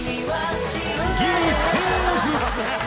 ギリセーフ！